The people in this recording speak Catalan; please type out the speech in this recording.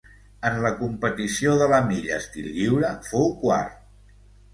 En la competició de la milla estil lliure fou quart.